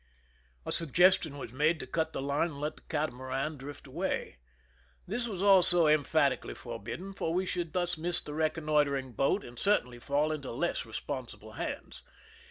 A suggestion was macle to cut the line and let the catamaran drift away. This was also emphatically forbidden, for we should thus miss the reconnoitering boat and certainly fall into less responsible hands.